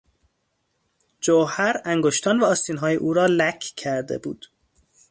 جوهر انگشتان و آستینهای او را لک کرده بود.